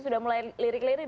sudah mulai lirik lirik